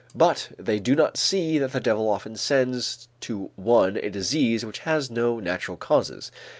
But they do not see that the devil often sends to one a disease which has no natural causes.